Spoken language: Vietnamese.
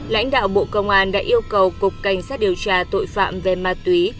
lãnh đạo bộ công an đã yêu cầu cục cảnh sát điều tra tội phạm về ma túy